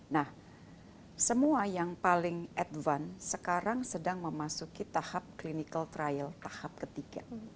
nah semua yang paling advance sekarang sedang memasuki tahap clinical trial tahap ketiga